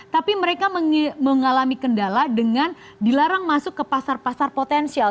tapi mereka mengalami kendala dengan dilarang masuk ke pasar pasar potensial